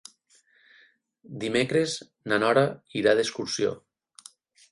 Dimecres na Nora irà d'excursió.